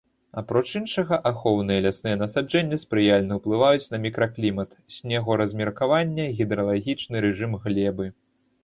Апроч іншага, ахоўныя лясныя насаджэнні спрыяльна ўплываюць на мікраклімат, снего-размеркаванне, гідралагічны рэжым глебы.